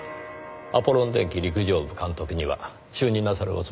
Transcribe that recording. アポロン電機陸上部監督には就任なさるおつもりですか？